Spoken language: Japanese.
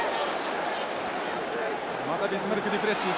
またビスマルクデュプレシー。